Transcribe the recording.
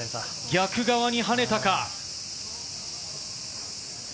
逆側に跳ねたか？